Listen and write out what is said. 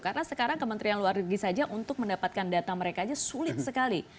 karena sekarang kementerian luar negeri saja untuk mendapatkan data mereka aja sulit sekali